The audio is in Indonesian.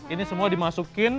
ini semua dimasukin